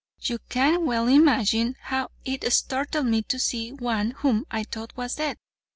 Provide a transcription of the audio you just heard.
You can well imagine how it startled me to see one whom I thought was dead.